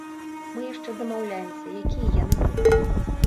Мы яшчэ дамаўляемся, якія яны будуць.